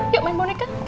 yuk main boneka